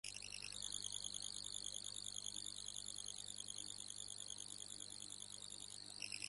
lekin minglab odamlar, ayniqsa, bolalar va ayollar halok bo‘lsa